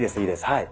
はい。